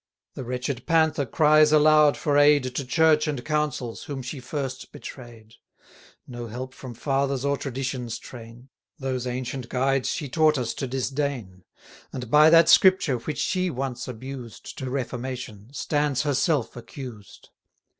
The wretched Panther cries aloud for aid To Church and Councils, whom she first betray'd; No help from Fathers or Tradition's train: 470 Those ancient guides she taught us to disdain, And, by that Scripture, which she once abused To reformation, stands herself accused.